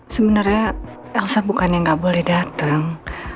sebenarnya elsa bukan yang gak boleh datang